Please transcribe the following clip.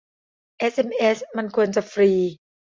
เอสเอ็มเอสมันควรจะฟรี